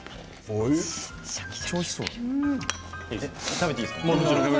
食べていいですか？